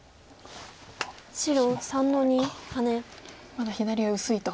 まだ左上薄いと。